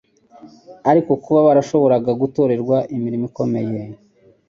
ariko kuba barashoboraga gutorerwa imirimo ikomeye